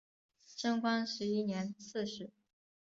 贞观十一年刺史。